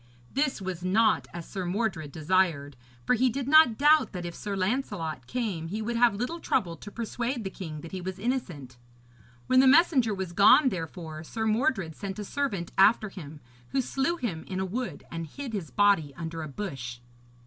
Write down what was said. This was not as Sir Mordred desired; for he did not doubt that if Sir Lancelot came he would have little trouble to persuade the king that he was innocent. When the messenger was gone, therefore, Sir Mordred sent a servant after him, who slew him in a wood and hid his body under a bush.